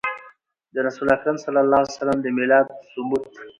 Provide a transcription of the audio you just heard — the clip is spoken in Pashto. د رسول اکرم صلی الله عليه وسلم د ميلاد ثبوت